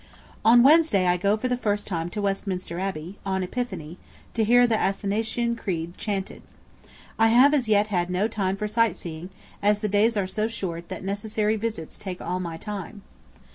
On Wednesday I go for the first time to Westminster Abbey, on Epiphany, to hear the Athanasian Creed chanted. I have as yet had no time for sight seeing, as the days are so short that necessary visits take all my time.